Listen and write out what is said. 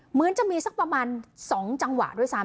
เหมือนจะมีสักประมาณ๒จังหวะด้วยซ้ำ